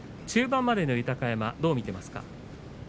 中盤までの豊山どう見ていますか。